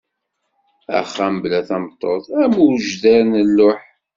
Axxam bla tameṭṭut am ujdar n lluḥ.